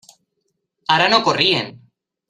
Ara no corrien.